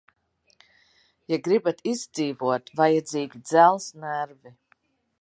Ja gribat izdzīvot, vajadzīgi dzelzs nervi.